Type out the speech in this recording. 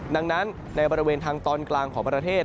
ดังนั้นในบริเวณทางตอนกลางของประเทศ